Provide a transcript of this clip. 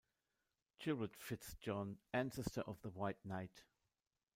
Gilbert Fitz-John, ancestor of the White Knight.